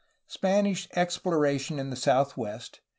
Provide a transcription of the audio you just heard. Spanish exploration in the south west.